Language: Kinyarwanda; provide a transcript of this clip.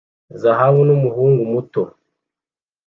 zahabu numuhungu muto